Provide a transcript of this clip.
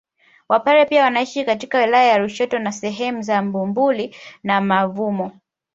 Wapare pia wanaishi katika wilaya ya Lushoto na sehemu za Bumbuli na Mavumo